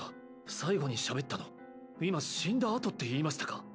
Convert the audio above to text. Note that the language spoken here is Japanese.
最後にしゃべったの今死んだあとって言いましたか？